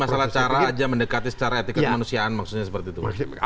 masalah cara aja mendekati secara etika kemanusiaan maksudnya seperti itu